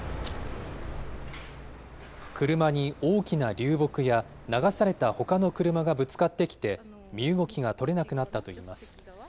流木や流されたほかの車がぶつかってきて、身動きが取れなくなったといいます。